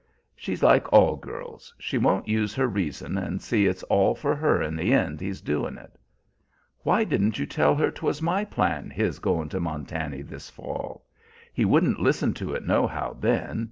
She's like all girls. She won't use her reason and see it's all for her in the end he's doin' it." "Why didn't you tell her 'twas my plan, his goin' to Montany this fall? He wouldn't listen to it nohow then.